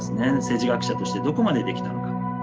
政治学者としてどこまでできたのか。